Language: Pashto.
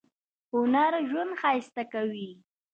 هنر ژوند ښایسته کوي